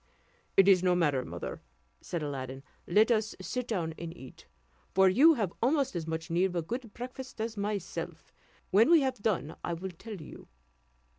"It is no matter, mother," said Aladdin, "let us sit down and eat; for you have almost as much need of a good breakfast as myself; when we have done, I will tell you."